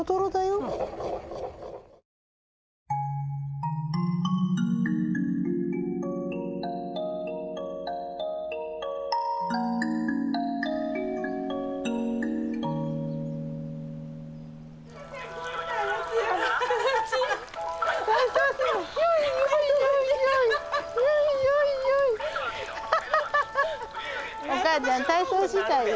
おかあちゃん体操したいよ。